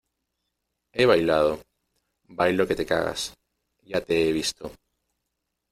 he bailado. bailo que te cagas . ya te he visto .